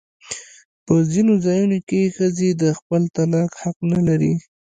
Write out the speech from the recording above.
په ځینو ځایونو کې ښځې د خپل طلاق حق نه لري.